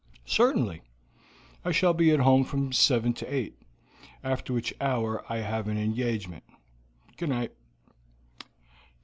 "Certainly. I shall be at home from seven to eight, after which hour I have an engagement. Good night."